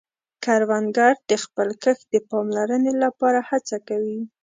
کروندګر د خپل کښت د پاملرنې له پاره هڅه کوي